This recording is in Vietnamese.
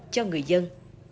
cho người dân